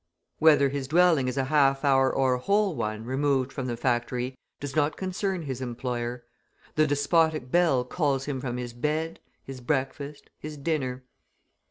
Whether his dwelling is a half hour or a whole one removed from the factory does not concern his employer. The despotic bell calls him from his bed, his breakfast, his dinner.